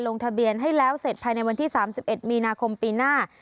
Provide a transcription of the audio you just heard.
ลงทะเบียนให้แล้วเสร็จภายในวันที่๓๑มีนาคมปีหน้า